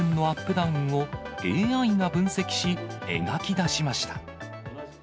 ダウンをＡＩが分析し、描き出しました。